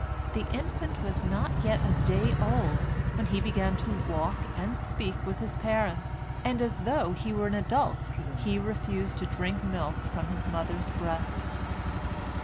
The infant was not yet a day old when he began to walk and speak with his parents, and as though he were an adult, he refused to drink milk from his mother's breast.